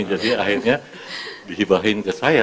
jadi akhirnya dihibahin ke saya